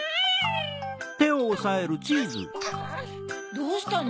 どうしたの？